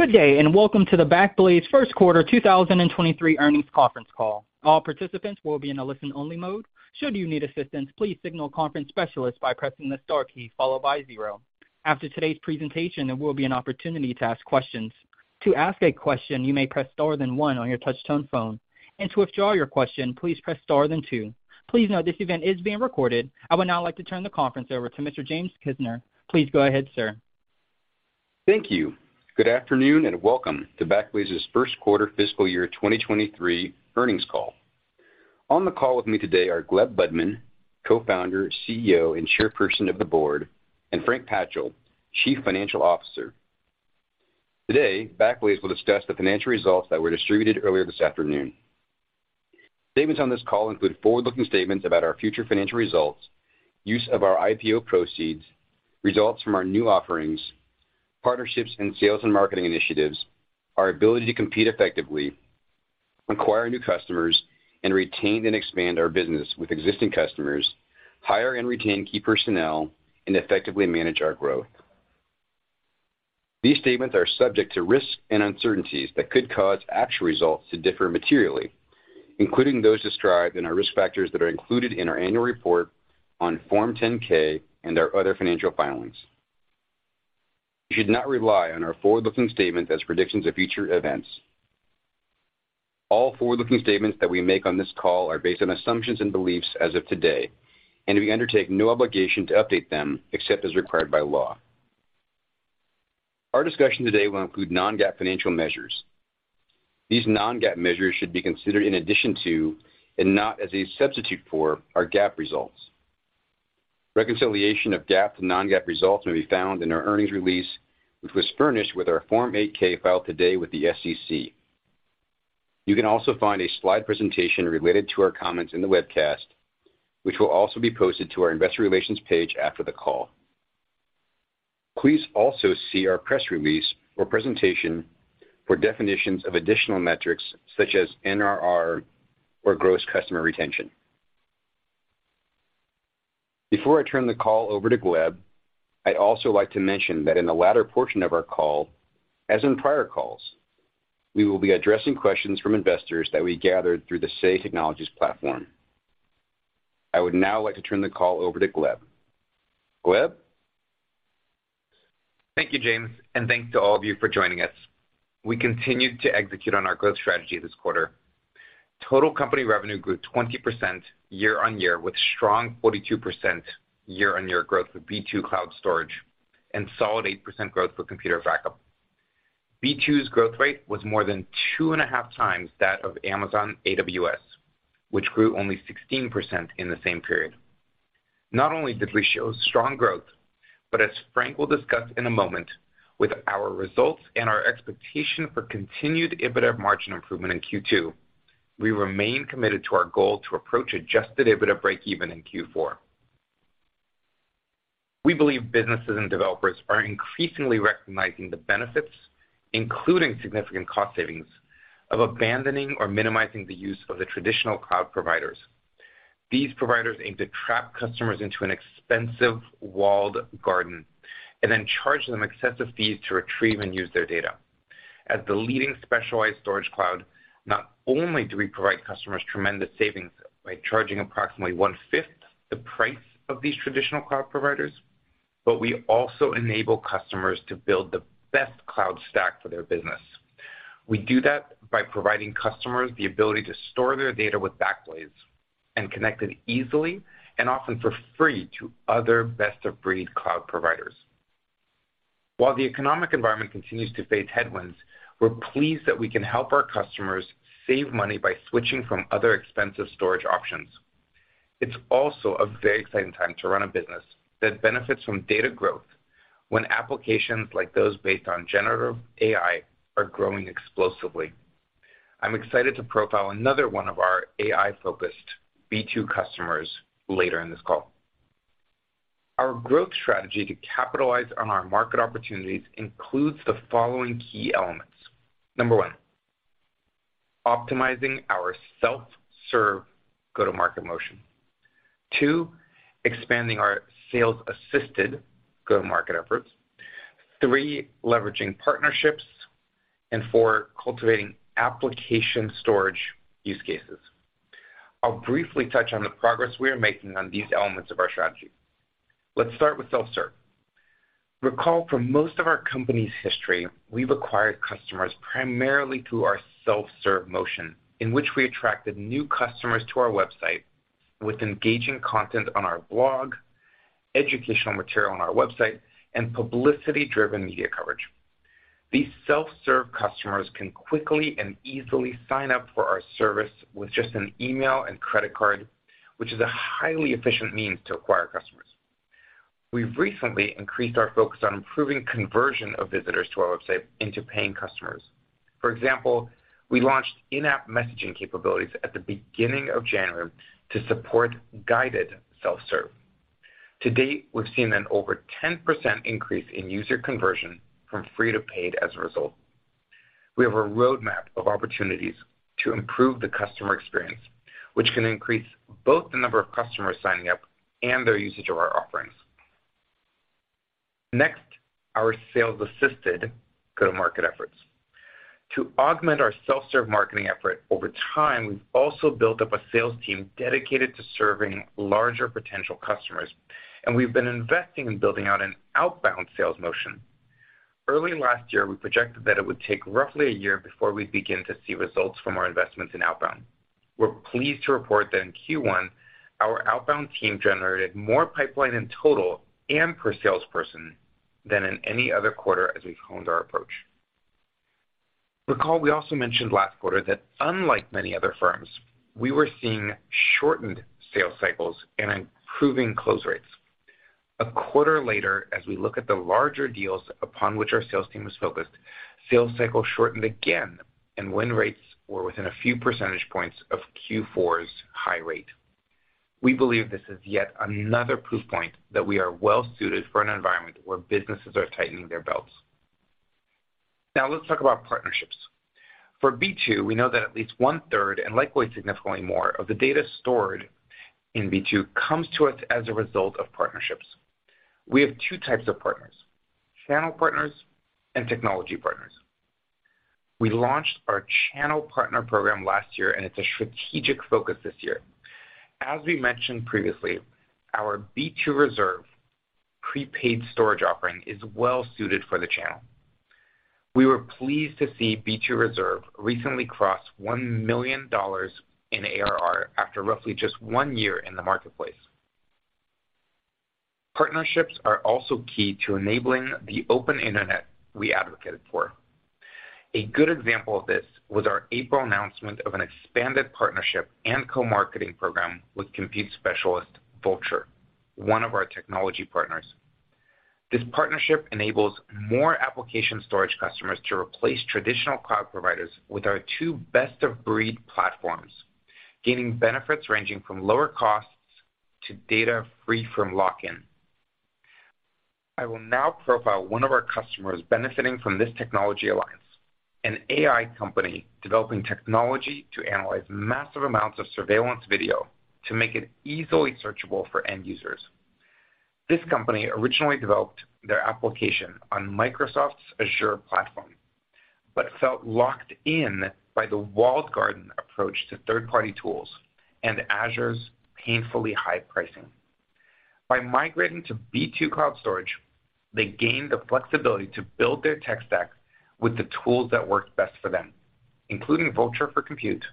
Good day, welcome to the Backblaze Q1 2023 Earnings Conference Call. All participants will be in a listen-only mode. Should you need assistance, please signal a conference specialist by pressing the star key followed by zero. After today's presentation, there will be an opportunity to ask questions. To ask a question, you may press star then one on your touch-tone phone. To withdraw your question, please press star then two. Please note this event is being recorded. I would now like to turn the conference over to Mr. James Kisner. Please go ahead, sir. Thank you. Good afternoon, and welcome to Backblaze's Q1 Fiscal Year 2023 Earnings Call. On the call with me today are Gleb Budman, Co-Founder, CEO, and Chairperson of the Board, and Frank Patchel, Chief Financial Officer. Today, Backblaze will discuss the financial results that were distributed earlier this afternoon. Statements on this call include forward-looking statements about our future financial results, use of our IPO proceeds, results from our new offerings, partnerships and sales and marketing initiatives, our ability to compete effectively, acquire new customers, and retain and expand our business with existing customers, hire and retain key personnel, and effectively manage our growth. These statements are subject to risks and uncertainties that could cause actual results to differ materially, including those described in our risk factors that are included in our annual report on Form 10-K and our other financial filings. You should not rely on our forward-looking statements as predictions of future events. All forward-looking statements that we make on this call are based on assumptions and beliefs as of today, and we undertake no obligation to update them except as required by law. Our discussion today will include non-GAAP financial measures. These non-GAAP measures should be considered in addition to, and not as a substitute for, our GAAP results. Reconciliation of GAAP to non-GAAP results may be found in our earnings release, which was furnished with our Form 8-K filed today with the SEC. You can also find a slide presentation related to our comments in the webcast, which will also be posted to our investor relations page after the call. Please also see our press release or presentation for definitions of additional metrics such as NRR or gross customer retention. Before I turn the call over to Gleb, I'd also like to mention that in the latter portion of our call, as in prior calls, we will be addressing questions from investors that we gathered through the Say Technologies platform. I would now like to turn the call over to Gleb. Gleb? Thank you, James, and thanks to all of you for joining us. We continued to execute on our growth strategy this quarter. Total company revenue grew 20% year-on-year, with strong 42% year-on-year growth for B2 Cloud Storage and solid 8% growth for Computer Backup. B2's growth rate was more than 2.5x that of Amazon AWS, which grew only 16% in the same period. Not only did we show strong growth, but as Frank will discuss in a moment with our results and our expectation for continued EBITDA margin improvement in Q2, we remain committed to our goal to approach adjusted EBITDA breakeven in Q4. We believe businesses and developers are increasingly recognizing the benefits, including significant cost savings, of abandoning or minimizing the use of the traditional cloud providers. These providers aim to trap customers into an expensive walled garden and then charge them excessive fees to retrieve and use their data. As the leading specialized storage cloud, not only do we provide customers tremendous savings by charging approximately one-fifth the price of these traditional cloud providers, but we also enable customers to build the best cloud stack for their business. We do that by providing customers the ability to store their data with Backblaze and connect it easily and often for free to other best-of-breed cloud providers. While the economic environment continues to face headwinds, we're pleased that we can help our customers save money by switching from other expensive storage options. It's also a very exciting time to run a business that benefits from data growth when applications like those based on generative AI are growing explosively. I'm excited to profile another one of our AI-focused B2 customers later in this call. Our growth strategy to capitalize on our market opportunities includes the following key elements. 1, optimizing our self-serve go-to-market motion. 2, expanding our sales-assisted go-to-market efforts. 3, leveraging partnerships. 4, cultivating application storage use cases. I'll briefly touch on the progress we are making on these elements of our strategy. Let's start with self-serve. Recall from most of our company's history, we've acquired customers primarily through our self-serve motion, in which we attracted new customers to our website with engaging content on our blog, educational material on our website, and publicity-driven media coverage. These self-serve customers can quickly and easily sign up for our service with just an email and credit card, which is a highly efficient means to acquire customers. We've recently increased our focus on improving conversion of visitors to our website into paying customers. For example, we launched in-app messaging capabilities at the beginning of January to support guided self-serve. To date, we've seen an over 10% increase in user conversion from free to paid as a result. We have a roadmap of opportunities to improve the customer experience, which can increase both the number of customers signing up and their usage of our offerings. Our sales assisted go-to-market efforts. To augment our self-serve marketing effort over time, we've also built up a sales team dedicated to serving larger potential customers, and we've been investing in building out an outbound sales motion. Early last year, we projected that it would take roughly a year before we begin to see results from our investments in outbound. We're pleased to report that in Q1, our outbound team generated more pipeline in total and per salesperson than in any other quarter as we've honed our approach. Recall we also mentioned last quarter that unlike many other firms, we were seeing shortened sales cycles, and improving close rates. A quarter later, as we look at the larger deals upon which our sales team was focused, sales cycle shortened again, and win rates were within a few percentage points of Q4's high rate. We believe this is yet another proof point that we are well suited for an environment where businesses are tightening their belts. Now let's talk about partnerships. For B2, we know that at least one-third, and likely significantly more of the data stored in B2 comes to us as a result of partnerships. We have two types of partners, channel partners and technology partners. We launched our channel partner program last year, and it's a strategic focus this year. As we mentioned previously, our B2 Reserve prepaid storage offering is well suited for the channel. We were pleased to see B2 Reserve recently crossed $1 million in ARR after roughly just one year in the marketplace. Partnerships are also key to enabling the open internet we advocated for. A good example of this was our April announcement of an expanded partnership and co-marketing program with compute specialist, Vultr, one of our technology partners. This partnership enables more application storage customers to replace traditional cloud providers with our two best of breed platforms, gaining benefits ranging from lower costs to data free from lock-in. I will now profile one of our customers benefiting from this technology alliance, an AI company developing technology to analyze massive amounts of surveillance video to make it easily searchable for end users. This company originally developed their application on Microsoft's Azure platform, but felt locked in by the walled garden approach to third-party tools and Azure's painfully high pricing. By migrating to B2 Cloud Storage, they gained the flexibility to build their tech stack with the tools that worked best for them, including Vultr for Compute,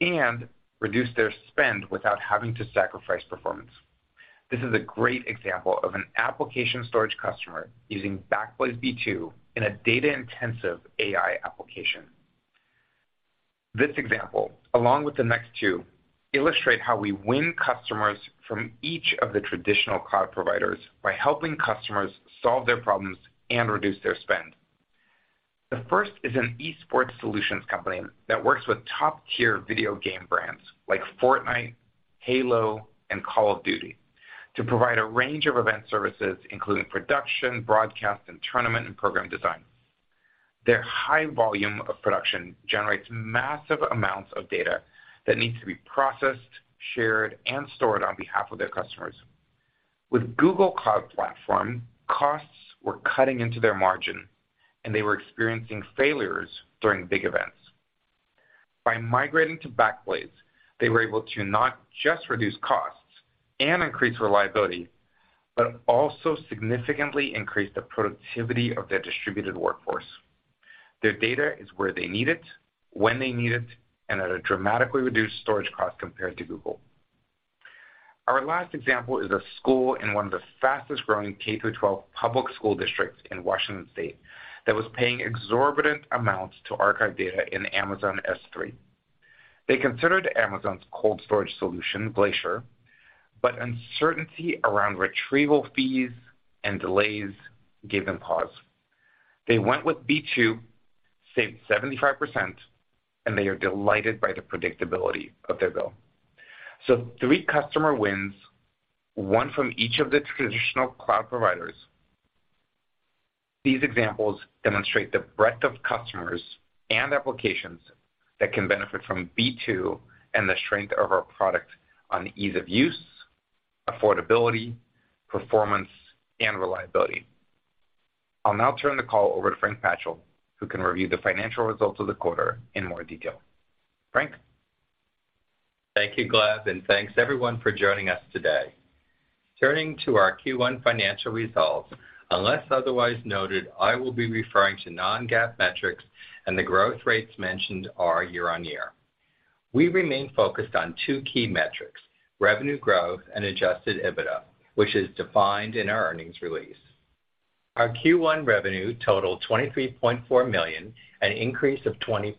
and reduce their spend without having to sacrifice performance. This is a great example of an application storage customer using Backblaze B2 in a data-intensive AI application. This example, along with the next two, illustrate how we win customers from each of the traditional cloud providers by helping customers solve their problems and reduce their spend. The first is an eSports solutions company that works with top-tier video game brands like Fortnite, Halo, and Call of Duty to provide a range of event services, including production, broadcast, and tournament and program design. Their high volume of production generates massive amounts of data that needs to be processed, shared, and stored on behalf of their customers. With Google Cloud Platform, costs were cutting into their margin, and they were experiencing failures during big events. By migrating to Backblaze, they were able to not just reduce costs and increase reliability, but also significantly increase the productivity of their distributed workforce. Their data is where they need it, when they need it, and at a dramatically reduced storage cost compared to Google. Our last example is a school in one of the fastest-growing K-12 public school districts in Washington state that was paying exorbitant amounts to archive data in Amazon S3. They considered Amazon's cold storage solution, Glacier, uncertainty around retrieval fees and delays gave them pause. They went with B2, saved 75%, they are delighted by the predictability of their bill. Three customer wins, one from each of the traditional cloud providers. These examples demonstrate the breadth of customers and applications that can benefit from B2 and the strength of our product on ease of use, affordability, performance, and reliability. I'll now turn the call over to Frank Patchel, who can review the financial results of the quarter in more detail. Frank? Thank you, Gleb. Thanks everyone for joining us today. Turning to our Q1 financial results, unless otherwise noted, I will be referring to non-GAAP metrics, and the growth rates mentioned are year-on-year. We remain focused on two key metrics, revenue growth and adjusted EBITDA, which is defined in our earnings release. Our Q1 revenue totaled $23.4 million, an increase of 20%.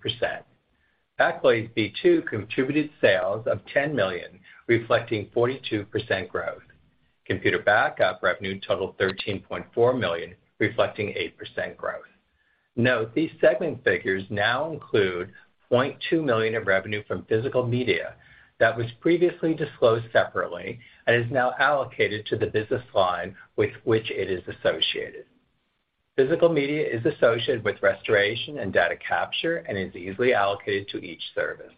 Backblaze B2 contributed sales of $10 million, reflecting 42% growth. Computer Backup revenue totaled $13.4 million, reflecting 8% growth. Note, these segment figures now include $0.2 million of revenue from physical media that was previously disclosed separately and is now allocated to the business line with which it is associated. Physical media is associated with restoration and data capture and is easily allocated to each service.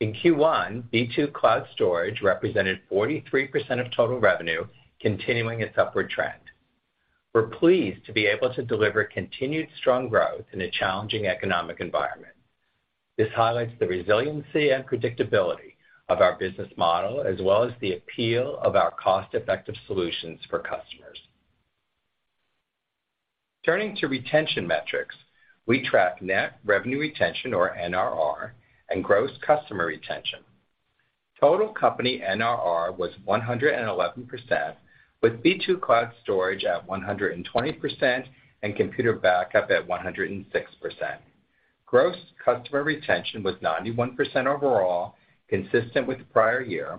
In Q1, B2 Cloud Storage represented 43% of total revenue, continuing its upward trend. We're pleased to be able to deliver continued strong growth in a challenging economic environment. This highlights the resiliency and predictability of our business model, as well as the appeal of our cost-effective solutions for customers. Turning to retention metrics, we track net revenue retention, or NRR, and gross customer retention. Total company NRR was 111%, with B2 Cloud Storage at 120% and Computer Backup at 106%. Gross customer retention was 91% overall, consistent with prior year,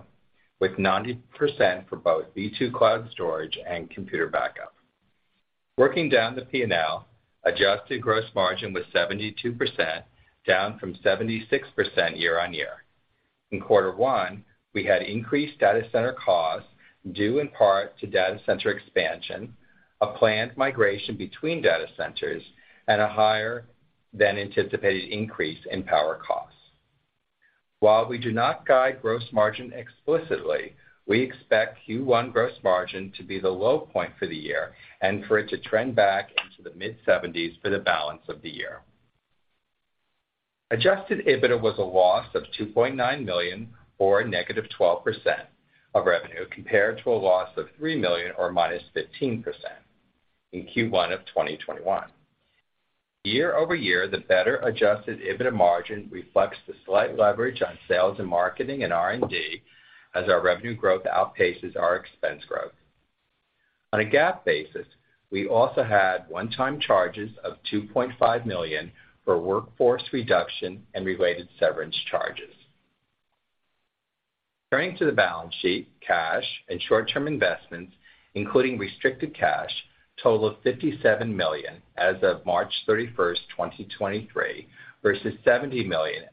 with 90% for both B2 Cloud Storage and Computer Backup. Working down the P&L, adjusted gross margin was 72%, down from 76% year-on-year. In quarter one, we had increased data center costs due in part to data center expansion, a planned migration between data centers, and a higher than anticipated increase in power costs. While we do not guide gross margin explicitly, we expect Q1 gross margin to be the low point for the year and for it to trend back into the mid-70s for the balance of the year. adjusted EBITDA was a loss of $2.9 million or a -12% of revenue compared to a loss of $3 million or -15% in Q1 of 2021. Year-over-year, the better adjusted EBITDA margin reflects the slight leverage on sales and marketing and R&D as our revenue growth outpaces our expense growth. On a GAAP basis, we also had one-time charges of $2.5 million for workforce reduction and related severance charges. Turning to the balance sheet, cash, and short-term investments, including restricted cash, total of $57 million as of March 31, 2023 versus $70 million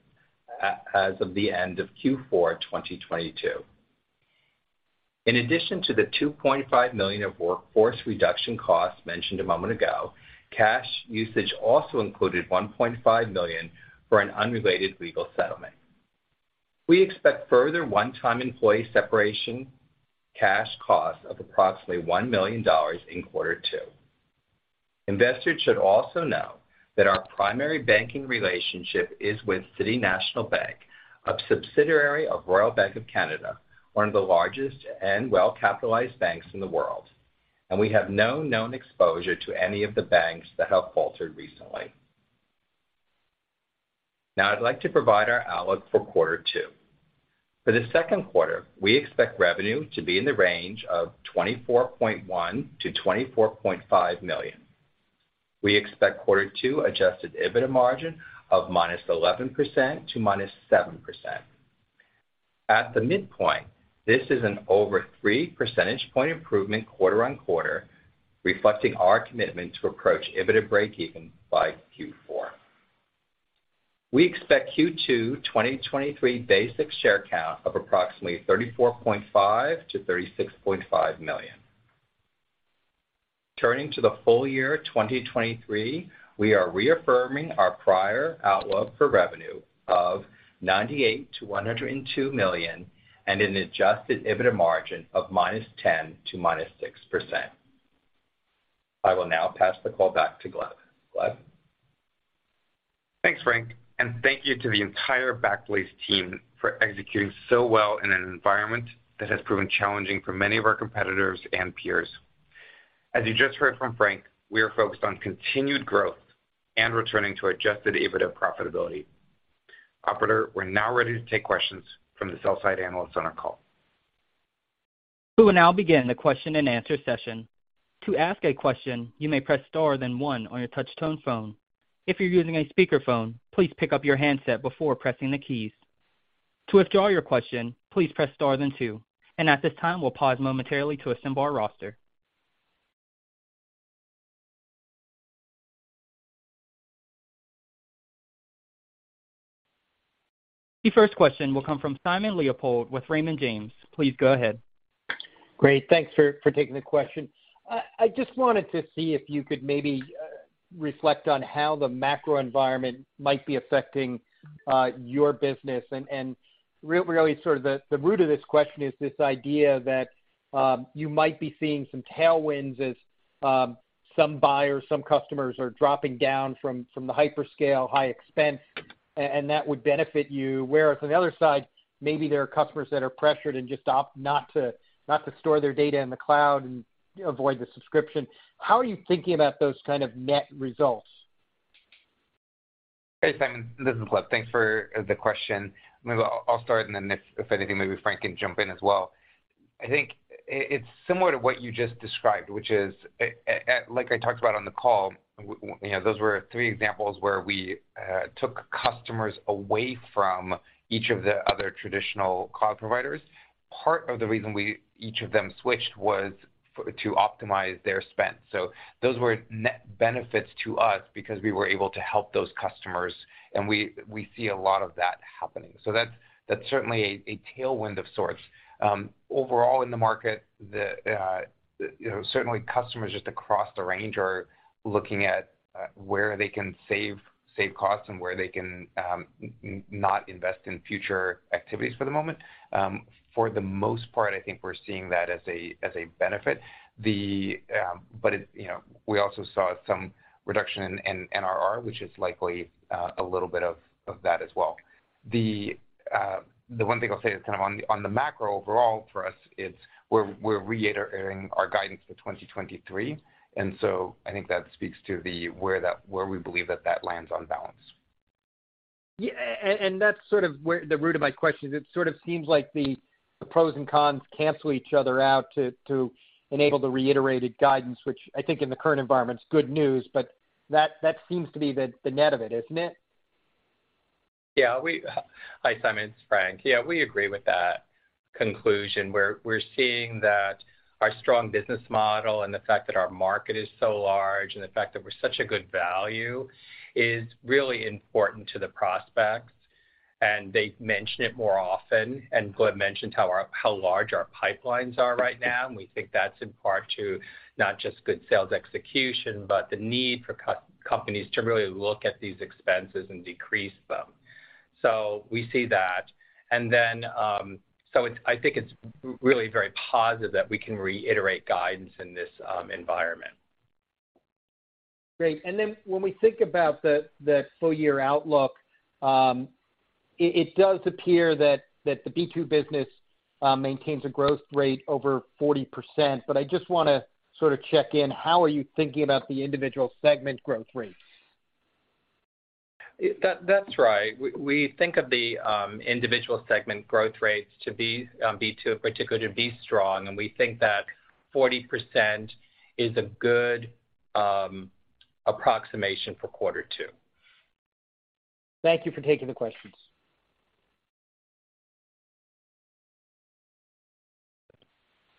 as of the end of Q4 2022. In addition to the $2.5 million of workforce reduction costs mentioned a moment ago, cash usage also included $1.5 million for an unrelated legal settlement. We expect further one-time employee separation cash cost of approximately $1 million in Q2. Investors should also know that our primary banking relationship is with City National Bank, a subsidiary of Royal Bank of Canada, one of the largest and well-capitalized banks in the world. We have no known exposure to any of the banks that have faltered recently. I'd like to provide our outlook for Q2. For the Q2, we expect revenue to be in the range of $24.1 million to $24.5 million. We expect Q2 adjusted EBITDA margin of -11% to -7%. At the midpoint, this is an over 3 percentage point improvement quarter-on-quarter, reflecting our commitment to approach EBITDA breakeven by Q4. We expect Q2 2023 basic share count of approximately $34.5 million to $36.5 million. Turning to the full year 2023, we are reaffirming our prior outlook for revenue of $98 million to $102 million and an adjusted EBITDA margin of -10% to -6%. I will now pass the call back to Gleb. Gleb? Thanks, Frank, and thank you to the entire Backblaze team for executing so well in an environment that has proven challenging for many of our competitors and peers. As you just heard from Frank, we are focused on continued growth and returning to adjusted EBITDA profitability. Operator, we're now ready to take questions from the sell-side analysts on our call. We will now begin the question-and-answer session. To ask a question, you may press star then one on your touch-tone phone. If you're using a speakerphone, please pick up your handset before pressing the keys. To withdraw your question, please press star then two. At this time, we'll pause momentarily to assemble our roster. The first question will come from Simon Leopold with Raymond James. Please go ahead. Great. Thanks for taking the question. I just wanted to see if you could maybe reflect on how the macro environment might be affecting your business. Really sort of the root of this question is this idea that you might be seeing some tailwinds as some buyers, some customers are dropping down from the hyperscale high expense, and that would benefit you. Whereas on the other side, maybe there are customers that are pressured and just opt not to store their data in the cloud and avoid the subscription. How are you thinking about those kind of net results? Hey, Simon. This is Gleb. Thanks for the question. Maybe I'll start, and then if anything, maybe Frank can jump in as well. I think it's similar to what you just described, which is like I talked about on the call, you know, those were three examples where we took customers away from each of the other traditional cloud providers. Part of the reason each of them switched was to optimize their spend. That's certainly a tailwind of sorts. Overall in the market, the, you know, certainly customers just across the range are looking at where they can save costs and where they can not invest in future activities for the moment. For the most part, I think we're seeing that as a benefit. We also saw some reduction in NRR, which is likely a little bit of that as well. The one thing I'll say is kind of on the macro overall for us, it's we're reiterating our guidance for 2023. I think that speaks to the where we believe that that lands on balance. Yeah. That's sort of where the root of my question is. It sort of seems like the pros and cons cancel each other out to enable the reiterated guidance, which I think in the current environment's good news, but that seems to be the net of it, isn't it? Hi, Simon, it's Frank. We agree with that conclusion. We're seeing that our strong business model and the fact that our market is so large and the fact that we're such a good value is really important to the prospects. They mention it more often. Gleb mentioned how large our pipelines are right now, and we think that's in part to not just good sales execution, but the need for companies to really look at these expenses and decrease them. We see that. I think it's really very positive that we can reiterate guidance in this environment. Great. When we think about the full year outlook, it does appear that the B2 business maintains a growth rate over 40%. I just wanna sort of check in, how are you thinking about the individual segment growth rates? That's right. We think of the individual segment growth rates to be B2 particularly be strong, and we think that 40% is a good approximation for Q2. Thank you for taking the questions.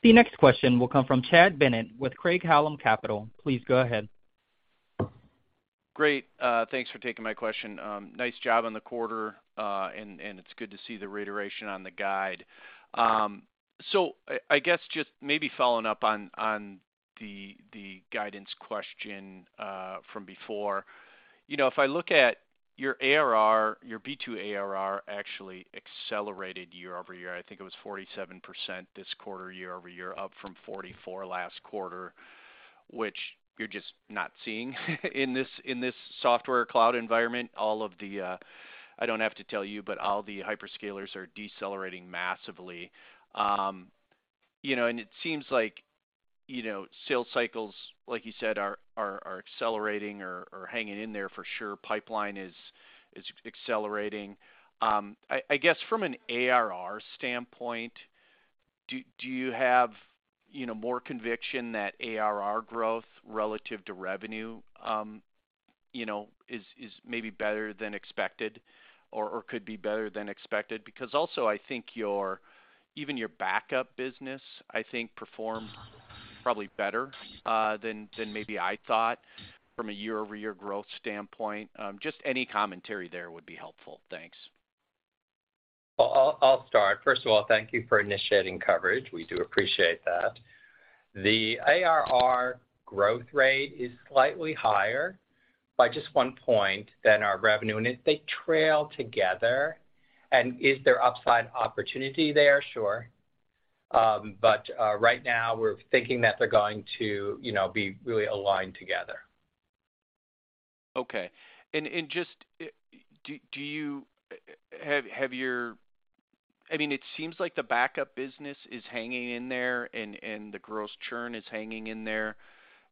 The next question will come from Chad Bennett with Craig-Hallum Capital. Please go ahead. Great. Thanks for taking my question. Nice job on the quarter, and it's good to see the reiteration on the guide. I guess just maybe following up on the guidance question from before. You know, if I look at your ARR, your B2 ARR actually accelerated year-over-year. I think it was 47% this quarter year-over-year, up from 44% last quarter, which you're just not seeing in this, in this software cloud environment. All of the, I don't have to tell you, but all the hyperscalers are decelerating massively. You know, and it seems like, you know, sales cycles, like you said, are accelerating or hanging in there for sure. Pipeline is accelerating. I guess from an ARR standpoint, do you have, you know, more conviction that ARR growth relative to revenue, you know, is maybe better than expected or could be better than expected? Also I think even your backup business, I think, performed probably better than maybe I thought from a year-over-year growth standpoint. Just any commentary there would be helpful. Thanks. I'll start. First of all, thank you for initiating coverage. We do appreciate that. The ARR growth rate is slightly higher by just one point than our revenue. They trail together. Is there upside opportunity there? Sure. Right now we're thinking that they're going to, you know, be really aligned together. Okay. I mean, it seems like the backup business is hanging in there and the gross churn is hanging in there.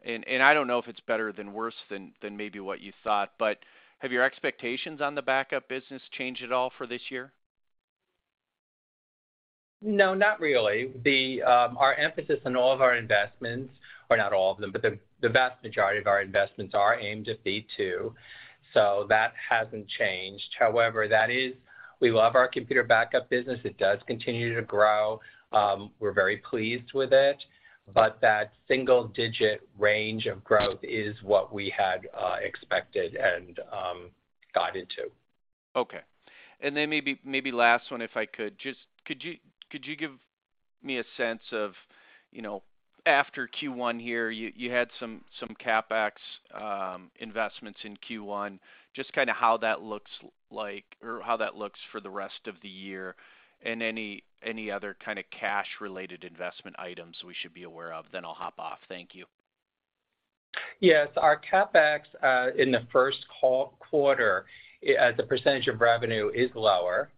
I don't know if it's better than worse than maybe what you thought, have your expectations on the backup business changed at all for this year? No, not really. The our emphasis on all of our investments or not all of them, but the vast majority of our investments are aimed at B2. That hasn't changed. However, that is, we love our computer backup business. It does continue to grow. We're very pleased with it. That single-digit range of growth is what we had expected and guided to. Okay. Then maybe last one, if I could. Just could you give me a sense of, you know, after Q1 here, you had some CapEx investments in Q1, just kind of how that looks like or how that looks for the rest of the year and any other kind of cash related investment items we should be aware of? Then I'll hop off. Thank you. Yes. Our CapEx in the Q1 as a percent of revenue is lower.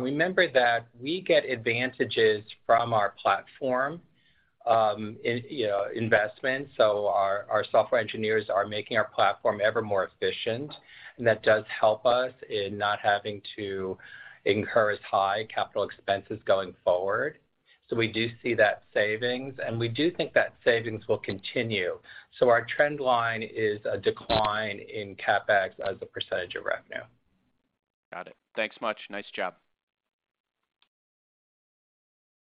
Remember that we get advantages from our platform, you know, in investment. Our software engineers are making our platform ever more efficient, and that does help us in not having to incur as high capital expenses going forward. We do see that savings, and we do think that savings will continue. Our trend line is a decline in CapEx as a percent of revenue. Got it. Thanks much. Nice job.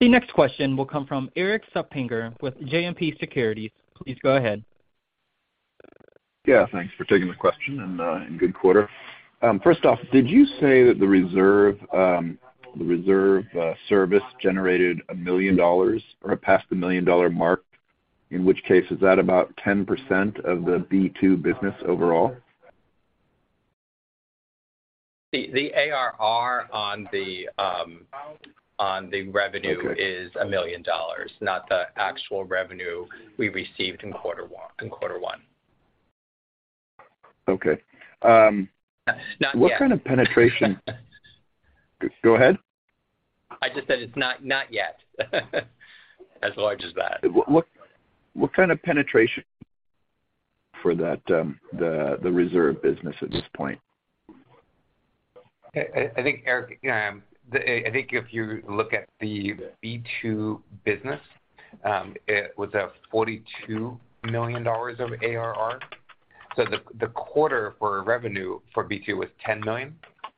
The next question will come from Erik Suppiger with JMP Securities. Please go ahead. Yeah, thanks for taking the question and good quarter. First off, did you say that the B2 Reserve service generated $1 million or passed the $1 million mark, in which case, is that about 10% of the B2 business overall? The ARR on the revenue-. Okay... is $1 million, not the actual revenue we received in Q1. Okay. Not yet. What kind of penetration? Go ahead. I just said it's not yet as large as that. What kind of penetration for that, the Reserve business at this point? I think, Erik, I think if you look at the B2 business, it was $42 million of ARR. The quarter for revenue for B2 was $10 million.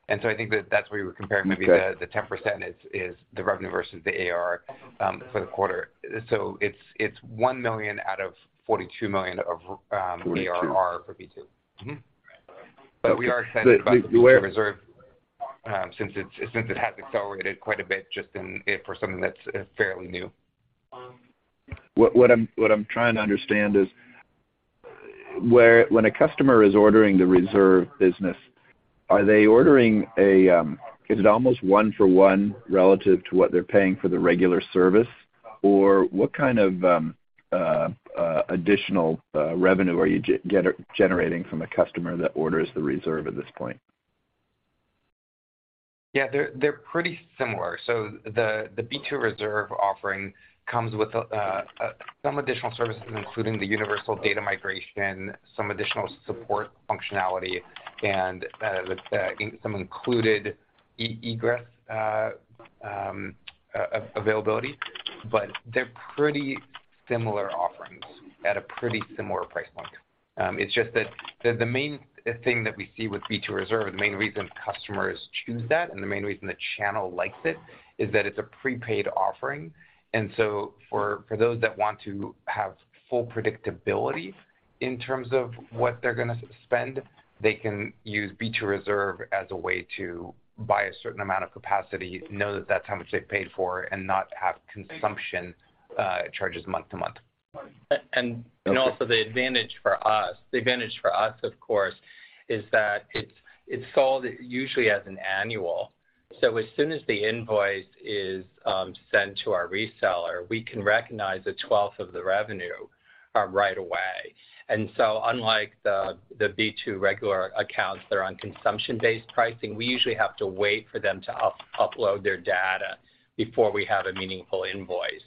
I think that that's where you were comparing maybe. Okay the 10% is the revenue versus the ARR for the quarter. It's $1 million out of $42 million. 42. ARR for B2. We are excited about the B2 Reserve, since it's, since it has accelerated quite a bit just in it for something that's fairly new. What I'm trying to understand is when a customer is ordering the Reserve business, are they ordering a, is it almost one for one relative to what they're paying for the regular service, or what kind of additional revenue are you generating from a customer that orders the Reserve at this point? Yeah, they're pretty similar. The B2 Reserve offering comes with some additional services, including the Universal Data Migration, some additional support functionality, and the in some included egress availability. They're pretty similar offerings at a pretty similar price point. It's just that, the main thing that we see with B2 Reserve, the main reason customers choose that and the main reason the channel likes it is that it's a prepaid offering. For those that want to have full predictability in terms of what they're gonna spend, they can use B2 Reserve as a way to buy a certain amount of capacity, know that that's how much they paid for, and not have consumption charges month-to-month. You know, the advantage for us, of course, is that it's sold usually as an annual. As soon as the invoice is sent to our reseller, we can recognize the twelfth of the revenue right away. Unlike the B2 regular accounts that are on consumption-based pricing, we usually have to wait for them to upload their data before we have a meaningful invoice.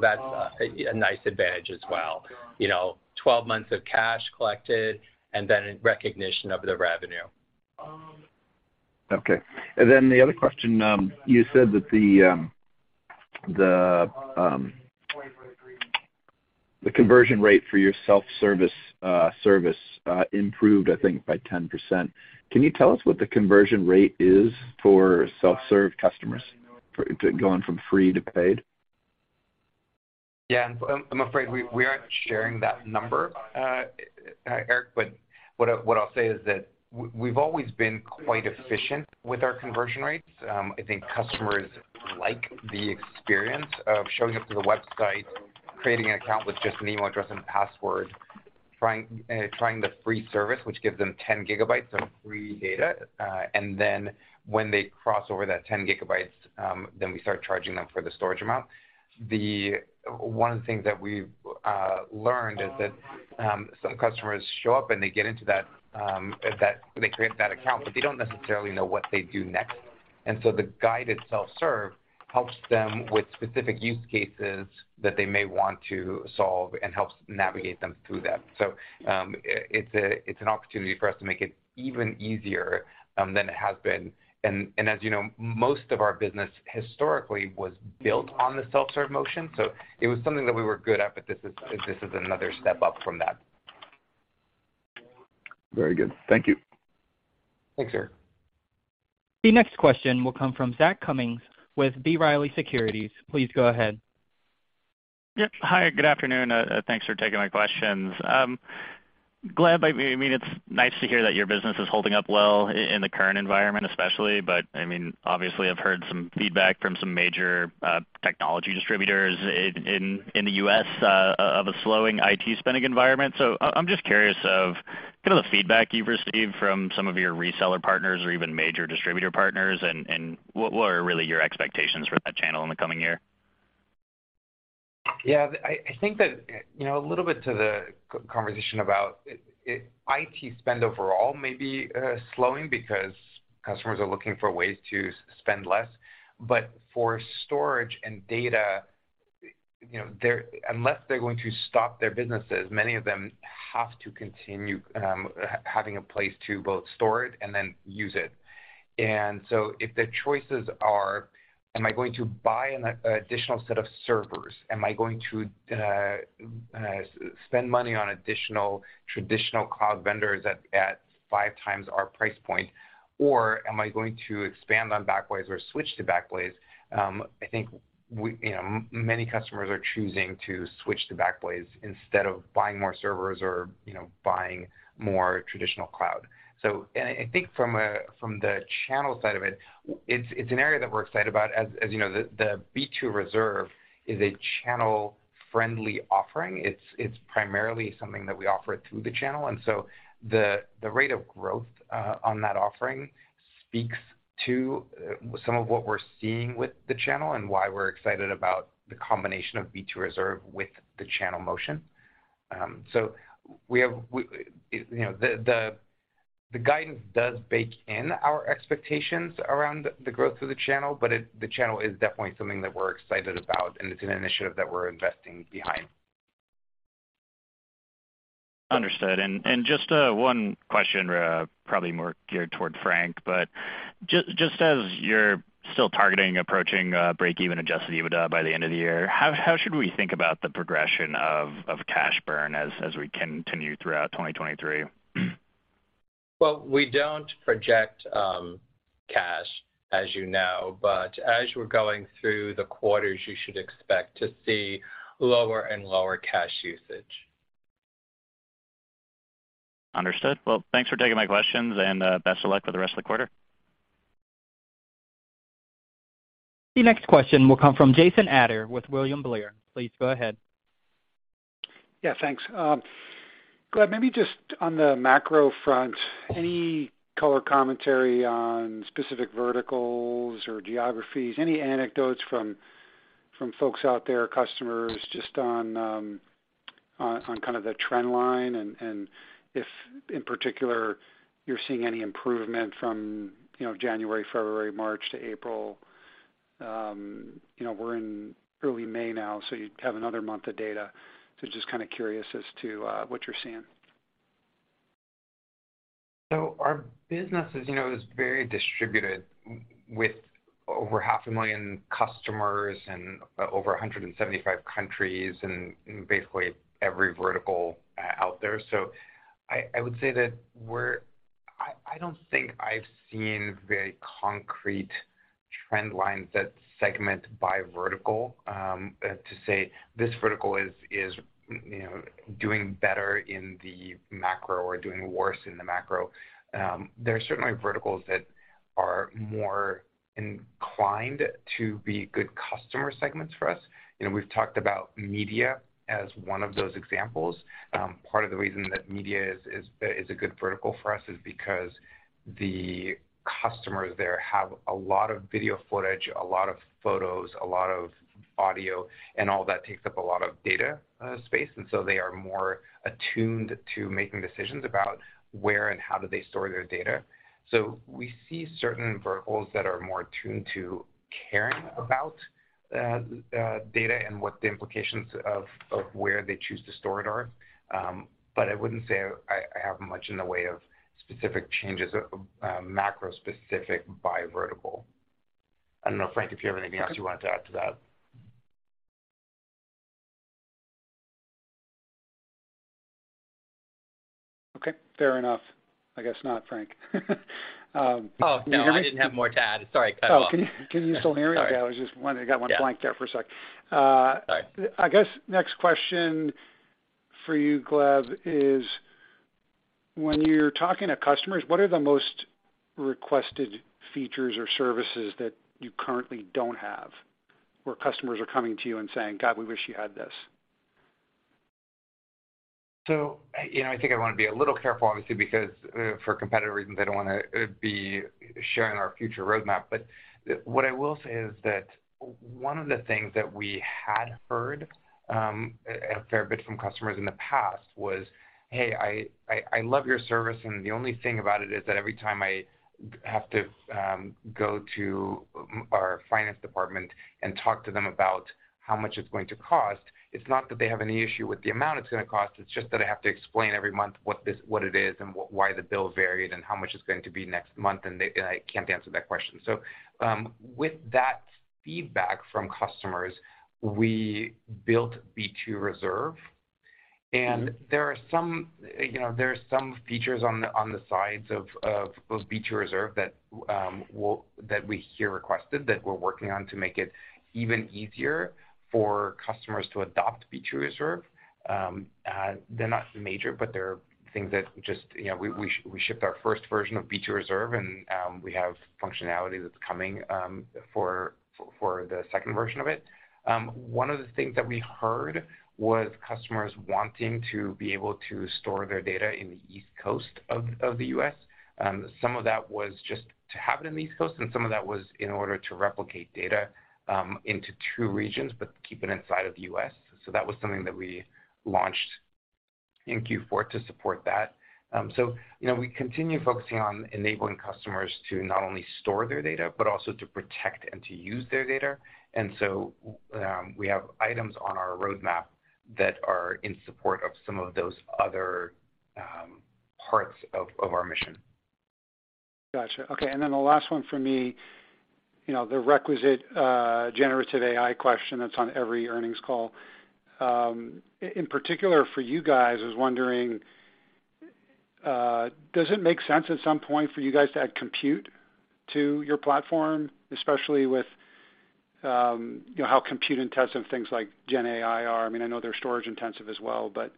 That's a nice advantage as well. You know, 12 months of cash collected and then in recognition of the revenue. Okay. The other question, you said that the conversion rate for your self-service service improved, I think, by 10%. Can you tell us what the conversion rate is for self-serve customers going from free to paid? Yeah. I'm afraid we aren't sharing that number, Erik, but what I'll say is that we've always been quite efficient with our conversion rates. I think customers like the experience of showing up to the website, creating an account with just an email address and password, trying the free service, which gives them 10 GB of free data. When they cross over that 10 GB, then we start charging them for the storage amount. One of the things that we've learned is that some customers show up, and they get into that, they create that account, but they don't necessarily know what they do next. The guided self-serve helps them with specific use cases that they may want to solve and helps navigate them through that. It's an opportunity for us to make it even easier than it has been. As you know, most of our business historically was built on the self-serve motion, so it was something that we were good at, but this is another step up from that. Very good. Thank you. Thanks, Erik. The next question will come from Zach Cummins with B. Riley Securities. Please go ahead. Yep. Hi. Good afternoon. Thanks for taking my questions. Gleb, I mean, it's nice to hear that your business is holding up well in the current environment especially. I mean, obviously I've heard some feedback from some major technology distributors in the U.S. of a slowing IT spending environment. I'm just curious of kind of the feedback you've received from some of your reseller partners or even major distributor partners and what are really your expectations for that channel in the coming year? Yeah. I think that, you know, a little bit to the conversation about IT spend overall may be slowing because customers are looking for ways to spend less. For storage and data, you know, unless they're going to stop their businesses, many of them have to continue having a place to both store it and then use it. If the choices are, am I going to buy an additional set of servers, am I going to spend money on additional traditional cloud vendors at five times our price point, or am I going to expand on Backblaze or switch to Backblaze? I think we, you know, many customers are choosing to switch to Backblaze instead of buying more servers or, you know, buying more traditional cloud. And I think from the channel side of it's an area that we're excited about. As you know, the B2 Reserve is a channel-friendly offering. It's primarily something that we offer through the channel. The rate of growth on that offering speaks to some of what we're seeing with the channel and why we're excited about the combination of B2 Reserve with the channel motion. You know, the guidance does bake in our expectations around the growth of the channel, but the channel is definitely something that we're excited about, and it's an initiative that we're investing behind. Understood. Just one question, probably more geared toward Frank, but just as you're still targeting approaching break-even adjusted EBITDA by the end of the year, how should we think about the progression of cash burn as we continue throughout 2023? We don't project, cash, as you know, but as we're going through the quarters, you should expect to see lower and lower cash usage. Understood. Well, thanks for taking my questions, and best of luck with the rest of the quarter. The next question will come from Jason Ader with William Blair. Please go ahead. Yeah, thanks. Gleb, maybe just on the macro front, any color commentary on specific verticals or geographies, any anecdotes from folks out there, customers just on kind of the trend line, and if in particular you're seeing any improvement from, you know, January, February, March to April? You know, we're in early May now, you have another month of data. Just kind of curious as to what you're seeing. Our business is, you know, very distributed with over half a million customers and over 175 countries and basically every vertical out there. I would say that we're. I don't think I've seen very concrete trend lines that segment by vertical to say this vertical is, you know, doing better in the macro or doing worse in the macro. There are certainly verticals that are more inclined to be good customer segments for us. You know, we've talked about media as one of those examples. Part of the reason that media is a good vertical for us is because the customers there have a lot of video footage, a lot of photos, a lot of audio, and all that takes up a lot of data space, and so they are more attuned to making decisions about where and how do they store their data. We see certain verticals that are more attuned to caring about data and what the implications of where they choose to store it are. I wouldn't say I have much in the way of specific changes macro specific by vertical. I don't know, Frank Patchel, if you have anything else you wanted to add to that. Okay, fair enough. I guess not, Frank. Can you hear me? I didn't have more to add. Sorry. Go ahead. Can you still hear me, Gleb? Sorry. I was just wondering. I got went blank there for a sec. Yeah. Sorry. I guess next question for you, Gleb, is when you're talking to customers, what are the most requested features or services that you currently don't have, where customers are coming to you and saying, "God, we wish you had this"? You know, I think I wanna be a little careful obviously because for competitive reasons, I don't wanna be sharing our future roadmap. What I will say is that one of the things that we had heard a fair bit from customers in the past was, "Hey, I love your service, and the only thing about it is that every time I have to go to our finance department and talk to them about how much it's going to cost, it's not that they have any issue with the amount it's gonna cost, it's just that I have to explain every month what it is and why the bill varied and how much it's going to be next month, and I can't answer that question." With that feedback from customers, we built B2 Reserve. There are some, you know, there are some features on the sides of those B2 Reserve that we hear requested that we're working on to make it even easier for customers to adopt B2 Reserve. They're not major, but they're things that just, you know, we shipped our first version of B2 Reserve, and we have functionality that's coming for the second version of it. One of the things that we heard was customers wanting to be able to store their data in the East Coast of the U.S. Some of that was just to have it in the East Coast, and some of that was in order to replicate data into two regions but keep it inside of the US. That was something that we launched in Q4 to support that. You know, we continue focusing on enabling customers to not only store their data, but also to protect and to use their data. We have items on our roadmap that are in support of some of those other parts of our mission. Gotcha. Okay, the last one from me, you know, the requisite generative AI question that's on every earnings call. In particular for you guys, I was wondering, does it make sense at some point for you guys to add compute to your platform, especially with, you know, how compute-intensive things like gen AI are? I mean, I know they're storage intensive as well, but,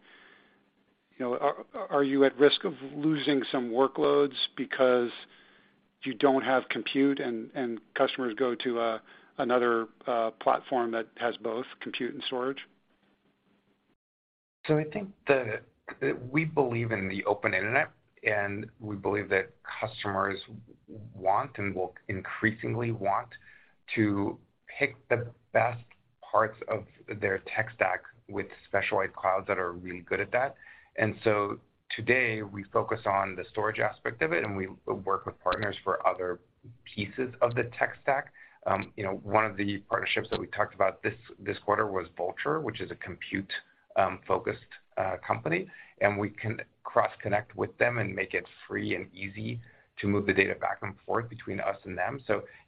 you know, are you at risk of losing some workloads because you don't have compute and customers go to another platform that has both compute and storage? I think that we believe in the open internet, and we believe that customers want and will increasingly want to pick the best parts of their tech stack with specialized clouds that are really good at that. Today we focus on the storage aspect of it, and we work with partners for other pieces of the tech stack. You know, one of the partnerships that we talked about this quarter was Vultr, which is a compute focused company, and we can cross-connect with them and make it free and easy to move the data back and forth between us and them.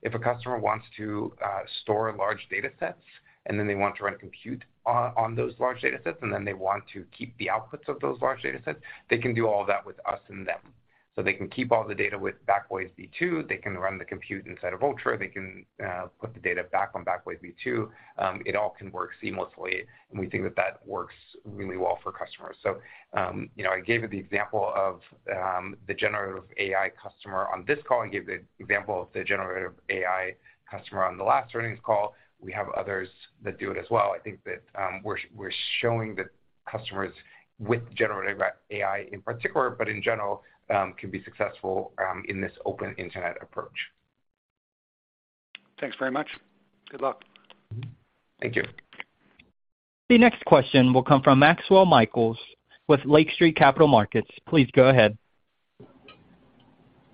If a customer wants to store large data sets, and then they want to run compute on those large data sets, and then they want to keep the outputs of those large data sets, they can do all that with us and them. They can keep all the data with Backblaze B2. They can run the compute inside of Vultr. They can put the data back on Backblaze B2. It all can work seamlessly, and we think that that works really well for customers. You know, I gave you the example of the generative AI customer on this call. I gave the example of the generative AI customer on the last earnings call. We have others that do it as well. I think that, we're showing that customers with generative AI in particular, but in general, can be successful, in this open internet approach. Thanks very much. Good luck. Thank you. The next question will come from Maxwell Michaelis with Lake Street Capital Markets. Please go ahead.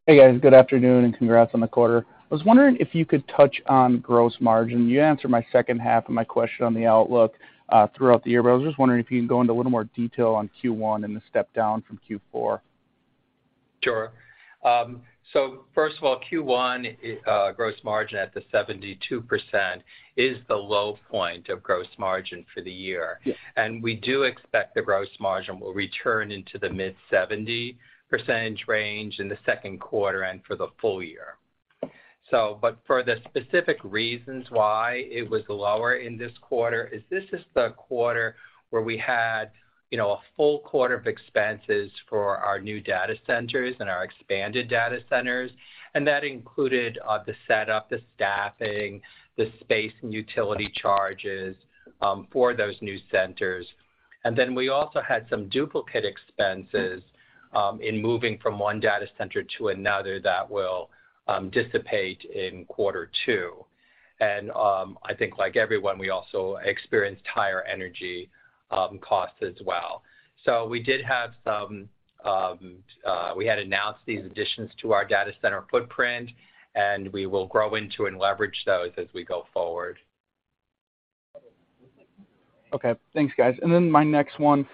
Hey, guys. Good afternoon. Congrats on the quarter. I was wondering if you could touch on gross margin. You answered my second half of my question on the outlook throughout the year. I was just wondering if you can go into a little more detail on Q1 and the step down from Q4. Sure. First of all, Q1 gross margin at the 72% is the low point of gross margin for the year. Yes. We do expect the gross margin will return into the mid-70% range in the Q2 and for the full year. But for the specific reasons why it was lower in this quarter is this is the quarter where we had, you know, a full quarter of expenses for our new data centers and our expanded data centers, and that included the setup, the staffing, the space and utility charges for those new centers. We also had some duplicate expenses in moving from one data center to another that will dissipate in Q2. I think like everyone, we also experienced higher energy costs as well. We had announced these additions to our data center footprint, and we will grow into and leverage those as we go forward. Okay. Thanks, guys. My next one,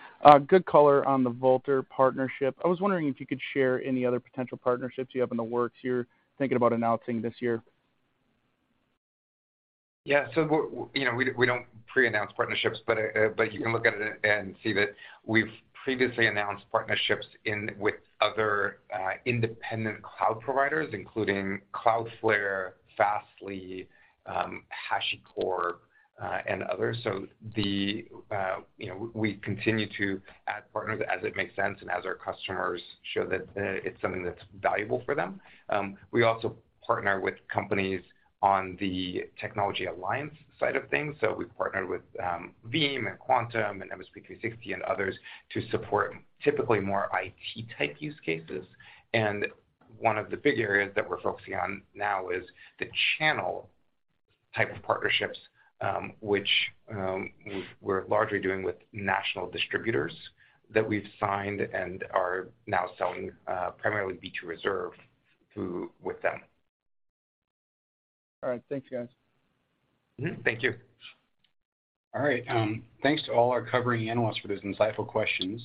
good color on the Vultr partnership. I was wondering if you could share any other potential partnerships you have in the works you're thinking about announcing this year? Yeah. You know, we don't pre-announce partnerships, but you can look at it and see that we've previously announced partnerships with other independent cloud providers, including Cloudflare, Fastly, HashiCorp, and others. The, you know, we continue to add partners as it makes sense and as our customers show that it's something that's valuable for them. We also partner with companies on the technology alliance side of things. We've partnered with Veeam and Quantum and MSP360 and others to support typically more IT-type use cases. One of the big areas that we're focusing on now is the channel type of partnerships, which we're largely doing with national distributors that we've signed and are now selling primarily B2 Reserve through with them. All right. Thanks, guys. Thank you. All right. Thanks to all our covering analysts for those insightful questions.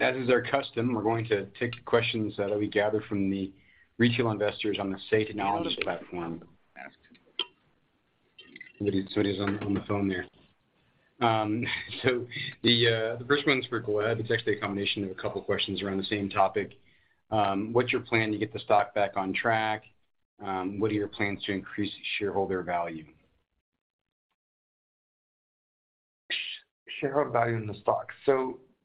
As is our custom, we're going to take questions that we gather from the retail investors on the Say Technologies platform. Somebody's on the phone there. The first one's for Gleb. It's actually a combination of a couple questions around the same topic. What's your plan to get the stock back on track? What are your plans to increase shareholder value? Shareholder value in the stock.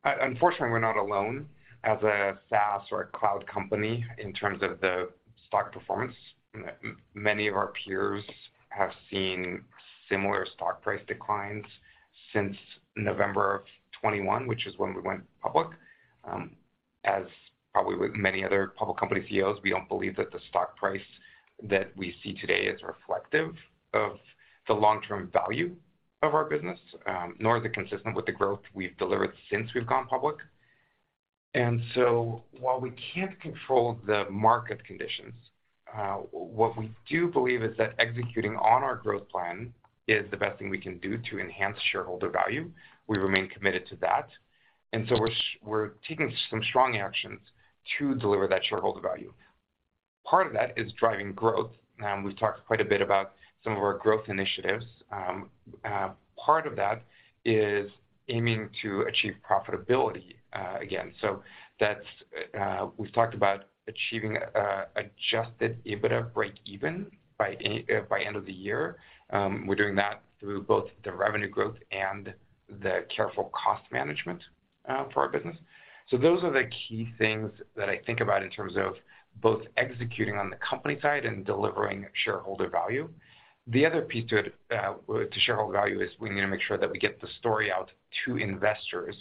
Unfortunately, we're not alone as a SaaS or a cloud company in terms of the stock performance. Many of our peers have seen similar stock price declines since November of 2021, which is when we went public. As probably with many other public company CEOs, we don't believe that the stock price that we see today is reflective of the long-term value of our business, nor is it consistent with the growth we've delivered since we've gone public. While we can't control the market conditions, what we do believe is that executing on our growth plan is the best thing we can do to enhance shareholder value. We remain committed to that. We're taking some strong actions to deliver that shareholder value. Part of that is driving growth. We've talked quite a bit about some of our growth initiatives. Part of that is aiming to achieve profitability again. That's, we've talked about achieving an adjusted EBITDA breakeven by end of the year. We're doing that through both the revenue growth and the careful cost management for our business. Those are the key things that I think about in terms of both executing on the company side and delivering shareholder value. The other piece to shareholder value is we need to make sure that we get the story out to investors.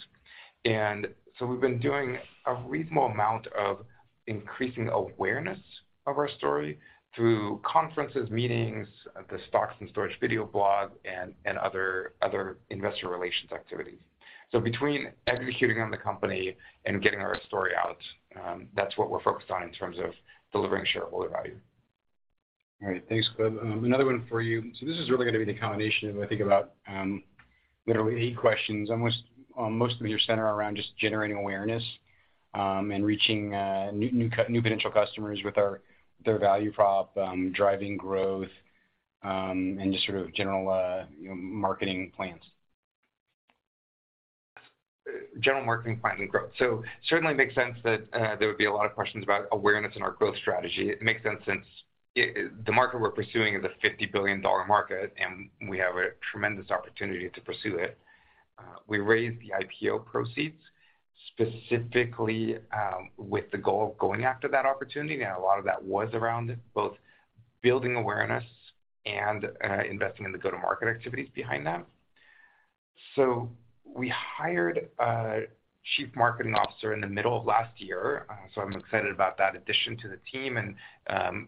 We've been doing a reasonable amount of increasing awareness of our story through conferences, meetings, the Stocks and Storage video blog, and other investor relations activities. Between executing on the company and getting our story out, that's what we're focused on in terms of delivering shareholder value. All right. Thanks, Gleb. Another one for you. This is really gonna be the combination of, I think, about, literally eight questions. Almost, most of them just center around just generating awareness, and reaching, new potential customers with their value prop, driving growth, and just sort of general, you know, marketing plans. General marketing plans and growth. Certainly makes sense that there would be a lot of questions about awareness and our growth strategy. It makes sense since the market we're pursuing is a $50 billion market, and we have a tremendous opportunity to pursue it. We raised the IPO proceeds specifically with the goal of going after that opportunity. A lot of that was around both building awareness and investing in the go-to-market activities behind that. We hired a Chief Marketing Officer in the middle of last year, so I'm excited about that addition to the team and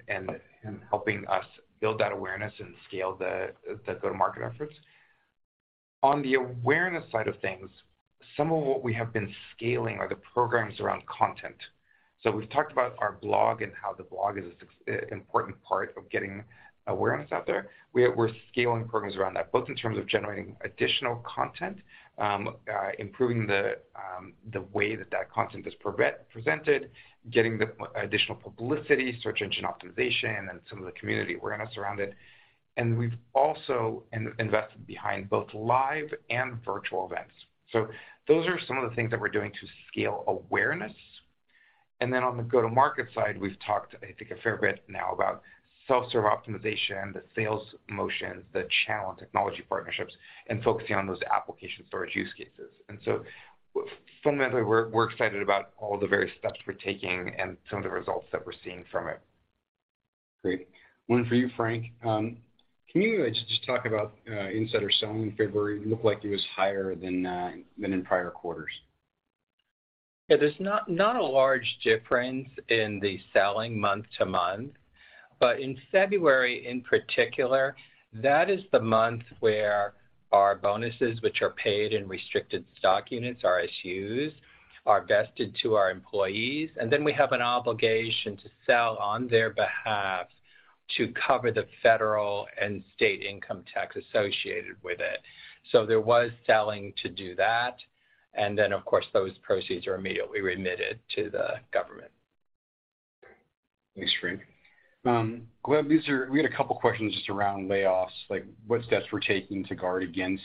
him helping us build that awareness and scale the go-to-market efforts. On the awareness side of things, some of what we have been scaling are the programs around content. We've talked about our blog and how the blog is a important part of getting awareness out there. We're scaling programs around that, both in terms of generating additional content, improving the way that that content is presented, getting additional publicity, search engine optimization, and some of the community awareness around it. We've also invested behind both live and virtual events. Those are some of the things that we're doing to scale awareness. On the go-to-market side, we've talked, I think, a fair bit now about self-serve optimization, the sales motion, the channel and technology partnerships, and focusing on those application storage use cases. Fundamentally, we're excited about all the various steps we're taking and some of the results that we're seeing from it. Great. One for you, Frank. Can you just talk about insider selling in February? It looked like it was higher than in prior quarters. Yeah. There's not a large difference in the selling month-to-month. In February in particular, that is the month where our bonuses, which are paid in restricted stock units, RSUs, are vested to our employees, and then we have an obligation to sell on their behalf to cover the federal and state income tax associated with it. There was selling to do that, and then, of course, those proceeds are immediately remitted to the government. Thanks, Frank. Gleb, We had a couple questions just around layoffs, like what steps we're taking to guard against,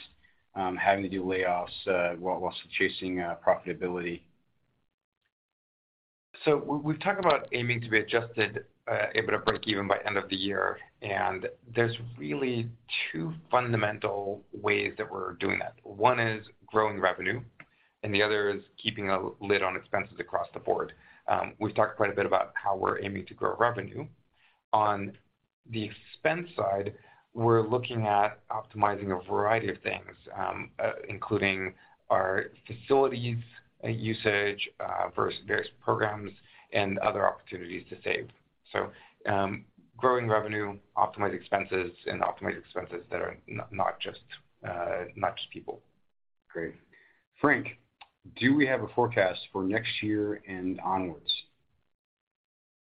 having to do layoffs, whilst chasing profitability. We've talked about aiming to be adjusted EBITDA breakeven by end of the year, and there's really two fundamental ways that we're doing that. One is growing revenue, and the other is keeping a lid on expenses across the board. We've talked quite a bit about how we're aiming to grow revenue. On the expense side, we're looking at optimizing a variety of things, including our facilities usage, versus various programs and other opportunities to save. Growing revenue, optimize expenses, and optimize expenses that are not just people. Great. Frank, do we have a forecast for next year and onward?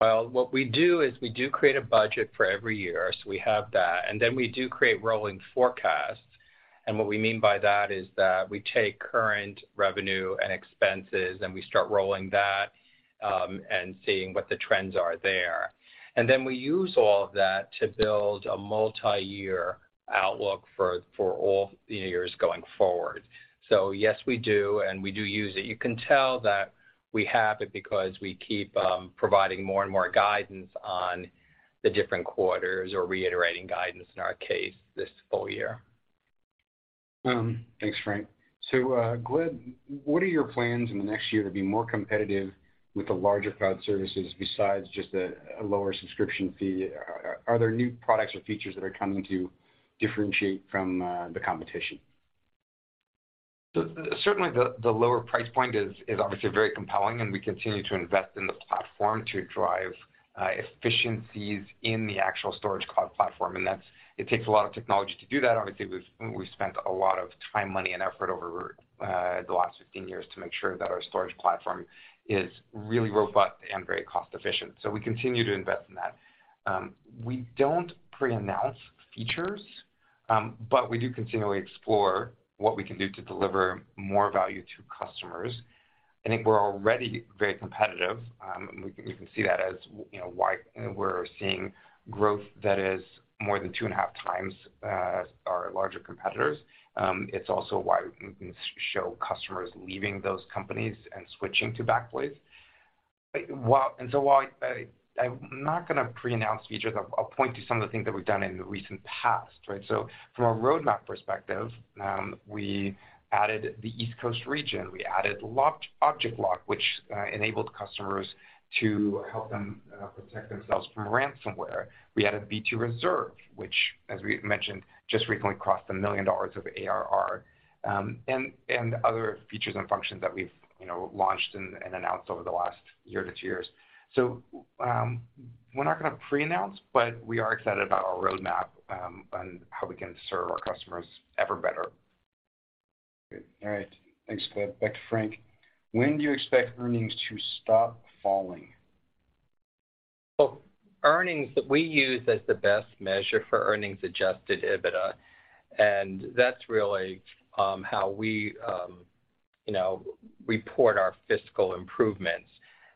Well, what we do is we do create a budget for every year, so we have that. Then we do create rolling forecasts, and what we mean by that is that we take current revenue and expenses, and we start rolling that, and seeing what the trends are there. Then we use all of that to build a multiyear outlook for all the years going forward. Yes, we do, and we do use it. You can tell that we have it because we keep providing more and more guidance on the different quarters or reiterating guidance in our case this full year. Thanks, Frank. Gleb, what are your plans in the next year to be more competitive with the larger cloud services besides just a lower subscription fee? Are there new products or features that are coming to differentiate from the competition? Certainly the lower price point is obviously very compelling, and we continue to invest in the platform to drive efficiencies in the actual storage cloud platform. It takes a lot of technology to do that. Obviously, we've spent a lot of time, money, and effort over the last 15 years to make sure that our storage platform is really robust and very cost efficient. We continue to invest in that. We don't preannounce features, but we do continually explore what we can do to deliver more value to customers. I think we're already very competitive. We can see that as, you know, why we're seeing growth that is more than 2.5x our larger competitors. It's also why we show customers leaving those companies and switching to Backblaze. While I'm not gonna preannounce features, I'll point to some of the things that we've done in the recent past, right? From a roadmap perspective, we added the East Coast region. We added Object Lock, which enabled customers to help them protect themselves from ransomware. We added B2 Reserve, which as we mentioned, just recently crossed $1 million of ARR, and other features and functions that we've, you know, launched and announced over the last year to two years. We're not gonna preannounce, but we are excited about our roadmap, and how we can serve our customers ever better. Great. All right. Thanks, Gleb. Back to Frank. When do you expect earnings to stop falling? Earnings that we use as the best measure for earnings adjusted EBITDA, that's really how we, you know, report our fiscal improvements.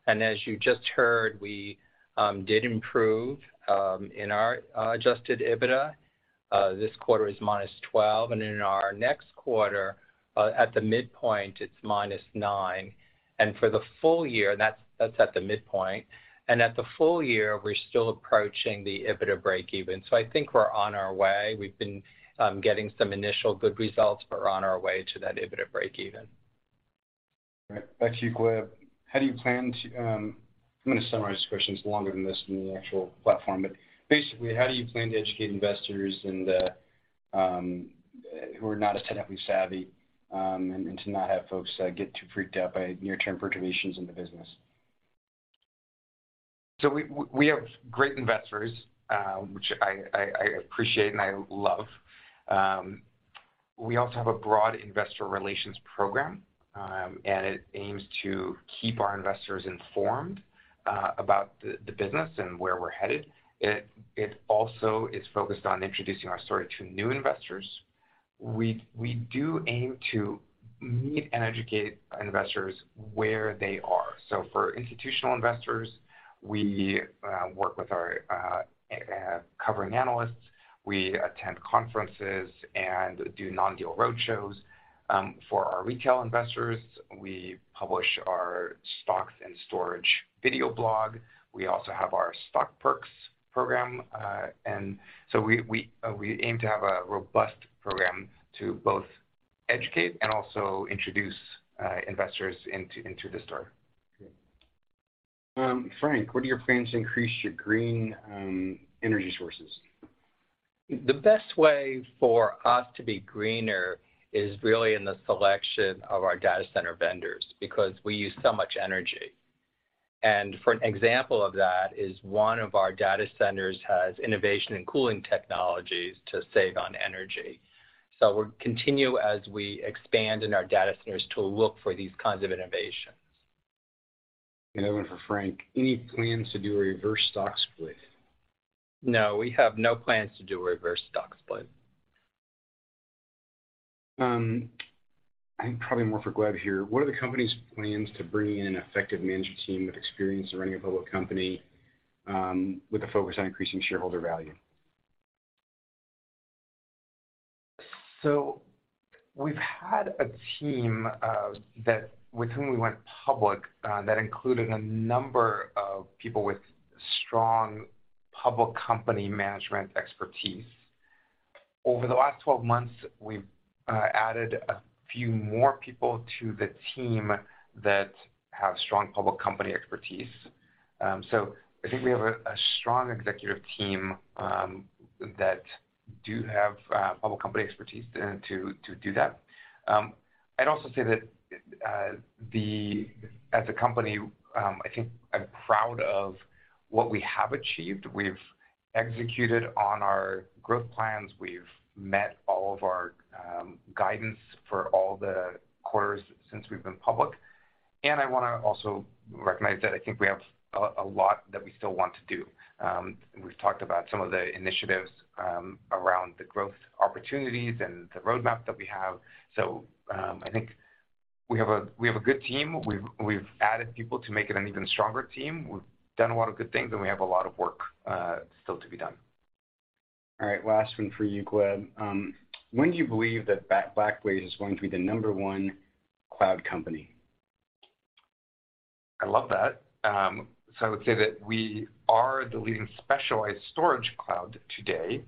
As you just heard, we did improve in our adjusted EBITDA. This quarter is -$12 million, in our next quarter, at the midpoint, it's -$9 million. For the full year, that's at the midpoint. At the full year, we're still approaching the EBITDA breakeven. I think we're on our way. We've been getting some initial good results. We're on our way to that EBITDA breakeven. All right. Back to you, Gleb. I'm gonna summarize this question, it's longer than this in the actual platform but, basically, how do you plan to educate investors and who are not as technically savvy and to not have folks get too freaked out by near-term perturbations in the business? We have great investors, which I appreciate and I love. We also have a broad investor relations program, and it aims to keep our investors informed about the business and where we're headed. It also is focused on introducing our story to new investors. We do aim to meet and educate investors where they are. For institutional investors, we work with our covering analysts. We attend conferences and do non-deal roadshows. For our retail investors, we publish our Stocks and Storage video blog. We also have our Stockperks program. We aim to have a robust program to both educate and also introduce investors into the story. Great. Frank, what are your plans to increase your green energy sources? The best way for us to be greener is really in the selection of our data center vendors because we use so much energy. For an example of that is one of our data centers has innovation and cooling technologies to save on energy. We'll continue, as we expand in our data centers, to look for these kinds of innovations. Another one for Frank. Any plans to do a reverse stock split? No, we have no plans to do a reverse stock split. Probably more for Gleb here. What are the company's plans to bring in effective management team with experience of running a public company, with a focus on increasing shareholder value? We've had a team that with whom we went public, that included a number of people with strong public company management expertise. Over the last 12 months, we've added a few more people to the team that have strong public company expertise. I think we have a strong executive team that do have public company expertise to do that. I'd also say that as a company, I think I'm proud of what we have achieved. We've executed on our growth plans. We've met all of our guidance for all the quarters since we've been public. I wanna also recognize that I think we have a lot that we still want to do. We've talked about some of the initiatives around the growth opportunities and the roadmap that we have. I think we have a good team. We've added people to make it an even stronger team. We've done a lot of good things, and we have a lot of work still to be done. All right. Last one for you, Gleb. When do you believe that Backblaze is going to be the number one cloud company? I love that. I would say that we are the leading specialized storage cloud today.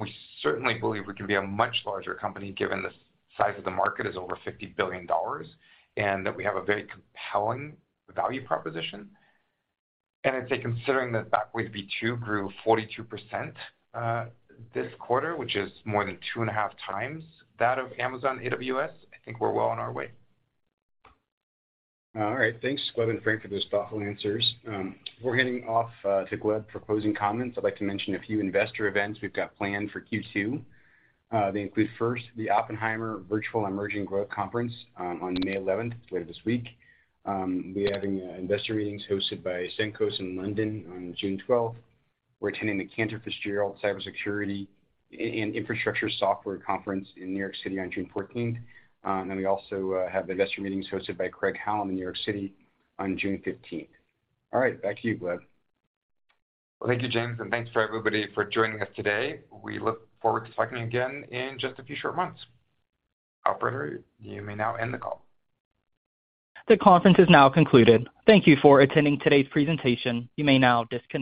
We certainly believe we can be a much larger company given the size of the market is over $50 billion, and that we have a very compelling value proposition. I'd say considering that Backblaze B2 grew 42%, this quarter, which is more than 2.5x that of Amazon AWS, I think we're well on our way. All right. Thanks, Gleb and Frank, for those thoughtful answers. We're heading off to Gleb for closing comments. I'd like to mention a few investor events we've got planned for Q2. They include, first, the Oppenheimer Virtual Emerging Growth Conference on May 11th, later this week. We're having investor meetings hosted by Stifel Nicolaus in London on June 12th. We're attending the Cantor Fitzgerald Cybersecurity and Infrastructure Software Conference in New York City on June 14th. We also have investor meetings hosted by Craig-Hallum in New York City on June 15th. All right, back to you, Gleb. Thank you, James, and thanks for everybody for joining us today. We look forward to talking again in just a few short months. Operator, you may now end the call. The conference is now concluded. Thank you for attending today's presentation. You may now disconnect.